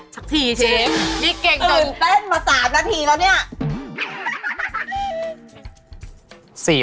สักทีเชฟนี่เก่งตื่นเต้นมา๓นาทีแล้วเนี่ย